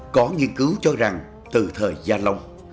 có nghiên cứu cho rằng từ thời gia long